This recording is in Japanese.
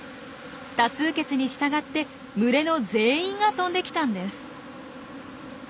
多数決に従って群れの全員が飛んで来たんです。